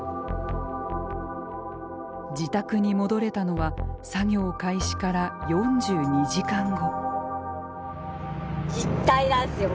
自宅に戻れたのは作業開始から４２時間後。